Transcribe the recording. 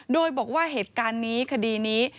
โดยบอกว่าเหตุการณ์นี้คดีนี้